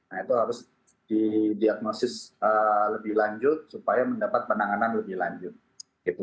nah itu harus didiagnosis lebih lanjut supaya mendapat penanganan lebih lanjut gitu